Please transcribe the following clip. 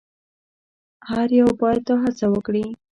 او هر یو باید دا هڅه وکړي.